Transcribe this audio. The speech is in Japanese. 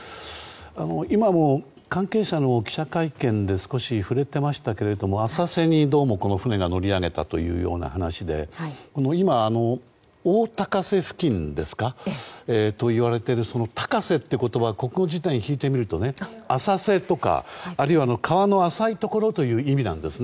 今も関係者の記者会見で触れてましたけども浅瀬に船が乗り上げたというような話で今、大高瀬付近といわれていますが高瀬っていう言葉国語辞典を引いてみると浅瀬とか、あるいは川の浅いところという意味なんです。